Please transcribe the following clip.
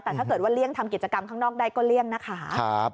แต่ถ้าเกิดว่าเลี่ยงทำกิจกรรมข้างนอกได้ก็เลี่ยงนะคะ